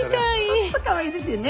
本当かわいいですよね。